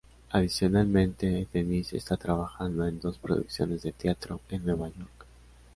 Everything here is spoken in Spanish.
Adicionalmente, Denise está trabajando en dos producciones de teatro en Nueva York.